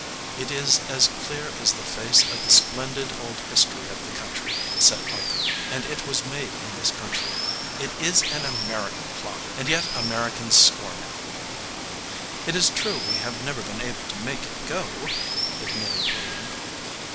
"It is as clear as the face of the splendid old his tory of the country," said Arthur, "and it was made in this country. It is an American clock, and yet Americans scorn it." "It is true we have never been able to make it go," admitted William.